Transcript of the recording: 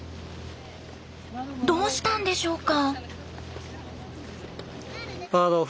どうしたんでしょうか？